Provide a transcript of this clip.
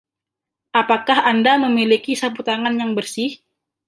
Apakah Anda memiliki saputangan yang bersih?